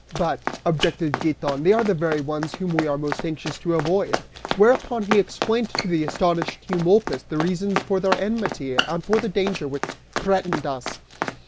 "But," objected Giton, "they are the very ones we are most anxious to avoid," whereupon he explained to the astonished Eumolpus the reasons for their enmity and for the danger which threatened us.